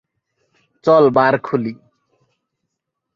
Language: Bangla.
চল বার খুলি।